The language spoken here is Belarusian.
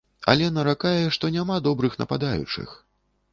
Але наракае, што няма добрых нападаючых.